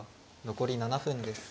残り７分です。